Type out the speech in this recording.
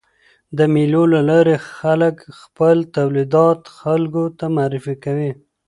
د مېلو له لاري خلک خپل تولیدات خلکو ته معرفي کوي.